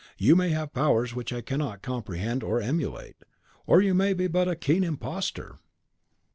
You may have powers which I cannot comprehend or emulate, or you may be but a keen imposter."